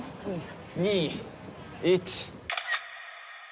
２１。